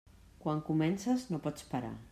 Quan comences, no pots parar.